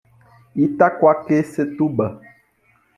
Itaquaquecetuba